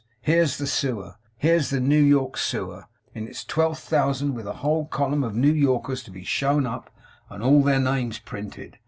Here's the Sewer! Here's the New York Sewer, in its twelfth thousand, with a whole column of New Yorkers to be shown up, and all their names printed!